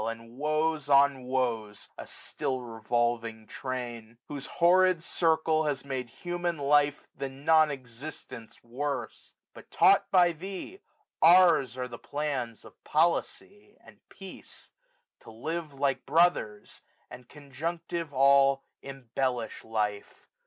And woes on woes, a still revolving train I Whose horrid circle had made human life Than non existence worse : but, taught by thee, Ours are the plans of policy, and peace ; To live like brothers, and conjunctive all 1 775 Embellish life.